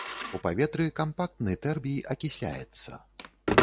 У паветры кампактны тэрбій акісляецца.